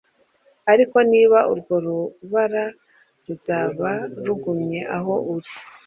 ariko niba urwo rubara ruzaba rugumye aho ruri